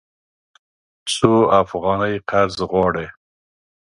څو افغانۍ قرض غواړې؟